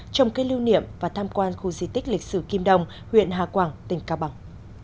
trồng cây lưu niệm và tham quan khu di tích lịch sử kim đồng huyện hà quảng tỉnh cao bằng